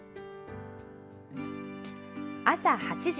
朝８時。